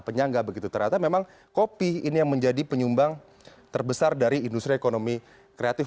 penyangga begitu ternyata memang kopi ini yang menjadi penyumbang terbesar dari industri ekonomi kreatif